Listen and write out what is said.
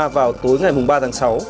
vào tối ngày mùng ba tháng sáu